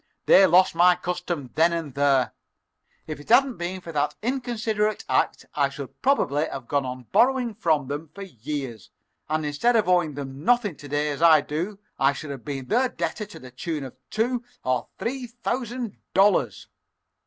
They lost my custom then and there. If it hadn't been for that inconsiderate act I should probably have gone on borrowing from them for years, and instead of owing them nothing to day, as I do, I should have been their debtor to the tune of two or three thousand dollars."